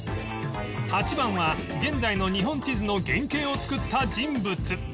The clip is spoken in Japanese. ８番は現在の日本地図の原形を作った人物